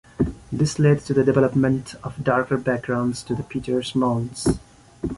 This led to the development of darker backgrounds to the pitchers mounds.